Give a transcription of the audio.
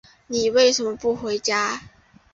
你为什么不回家？